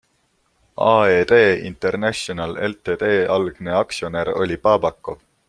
AED International Ltd algne aktsionär oli Babakov.